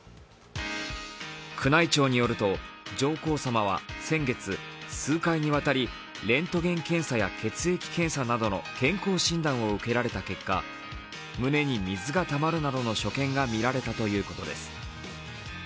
宮内庁によると、上皇さまは先月、数回にわたりレントゲン検査や血液検査などの健康診断を受けられた結果、胸に水がたまるなどの所見がみられたということです。